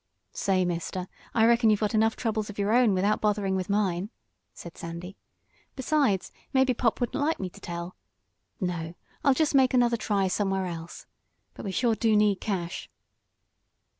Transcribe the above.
"Say, Mister, I reckon you've got enough troubles of your own, without bothering with mine," said Sandy. "Besides, maybe Pop wouldn't like me to tell. No, I'll jest make another try somewhere else. But we sure do need cash!"